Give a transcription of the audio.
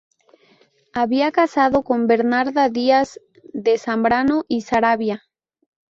Había casado con Bernarda Díaz de Zambrano y Saravia.